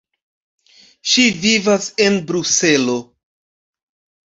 Ŝi vivas en Bruselo.